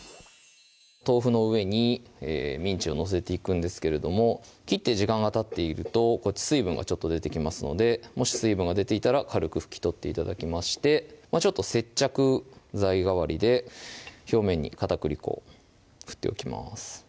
豆腐の上にミンチを載せていくんですけれども切って時間がたっていると水分がちょっと出てきますのでもし水分が出ていたら軽く拭き取って頂きましてちょっと接着剤代わりで表面に片栗粉を振っておきます